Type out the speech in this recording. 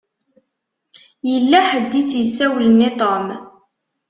Yella ḥedd i s-isawlen i Tom.